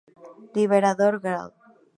Libertador Gral.